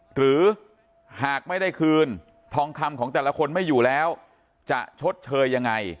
หรือหากไม่ได้คืนทองคำของแต่ละคนไม่อยู่แล้วจะชดเชยยังไง